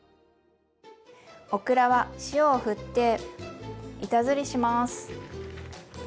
オクラは塩をふって板ずりします。